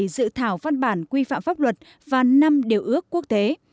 bốn mươi bảy dự thảo văn bản quy phạm pháp luật và năm điều ước quốc tế